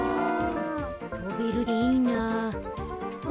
とべるっていいな。